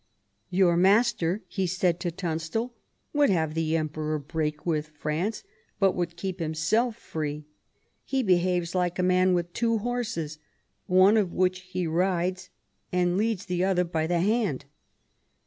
" Your master," he said to Tunstal, " would have the Emperor break with France, but would keep himself free ; he behaves like a man with two horses, one of which he rides, and leads the other by the hand."